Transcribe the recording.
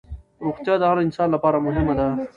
روغتیا د هر انسان لپاره مهمه ده